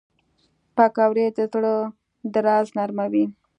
پکورې د زړه درزا نرموي